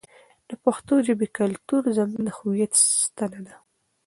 د پښتو ژبې کلتور زموږ د هویت ستنه ده.